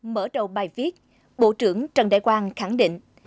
mở đầu bài viết bộ trưởng trần đại quang khẳng định